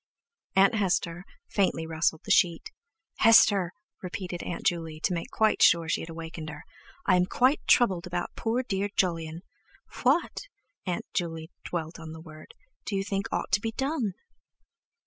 Aunt Hester faintly rustled the sheet. "Hester," repeated Aunt Juley, to make quite sure that she had awakened her, "I am quite troubled about poor dear Jolyon. What," Aunt Juley dwelt on the word, "do you think ought to be done?"